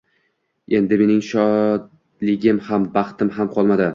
Endi mening shodligim ham, baxtim ham qolmadi…